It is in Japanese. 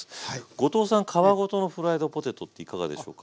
後藤さん皮ごとのフライドポテトっていかがでしょうか。